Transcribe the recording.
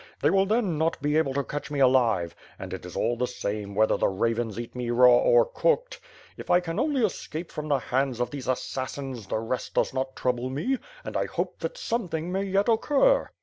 They will then not be able to catch me aUve; and it is all the same, whether the i avens eat me raw or cooked. If I can only escape from the hands of these assassins, the rest does not trouble me, and 1 hope that something may yet occur."